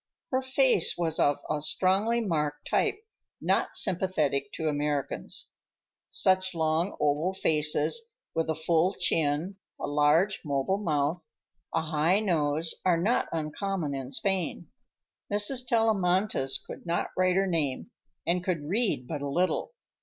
Her face was of a strongly marked type not sympathetic to Americans. Such long, oval faces, with a full chin, a large, mobile mouth, a high nose, are not uncommon in Spain. Mrs. Tellamantez could not write her name, and could read but little.